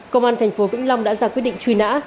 công an tp vĩnh long đã ra quyết định truy nã